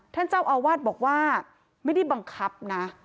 ท่านเจ้าอาวาสบอกว่าไม่ได้บังคับนะ